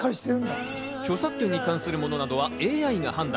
著作権に関するものなどはＡＩが判断。